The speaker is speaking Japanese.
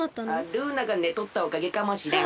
ルーナがねとったおかげかもしれん。